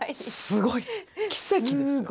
すごい。奇跡ですよ。